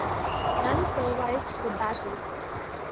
None survived the battle.